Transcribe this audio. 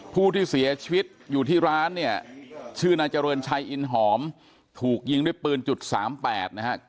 ผู้ที่เสียชีวิตอยู่ที่ร้านเนี่ยชื่อนายเจริญชัยอินหอมถูกยิงด้วยปืนจุดสามแปดนะฮะ